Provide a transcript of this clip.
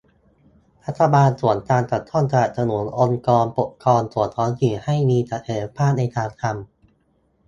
รัฐบาลส่วนกลางจะต้องสนับสนุนองค์กรปกครองส่วนท้องถิ่น ให้มีศักยภาพในการทำ